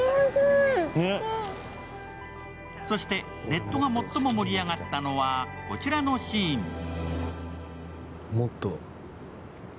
そして、ネットが最も盛り上がったのはこちらのシーン。